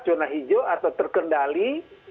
zona hijau atau terkendali